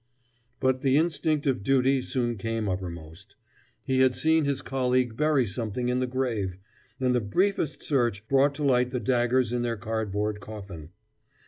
But the instinct of duty soon came uppermost. He had seen his colleague bury something in the grave, and the briefest search brought to light the daggers in their cardboard coffin.